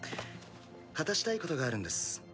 果たしたいことがあるんです。